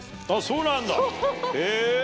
そうなんだへぇ。